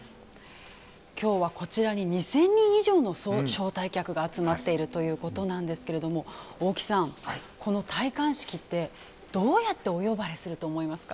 今日はこちらに２０００人以上の招待客が集まっているということですけど大木さん、この戴冠式ってどうやってお呼ばれすると思いますか？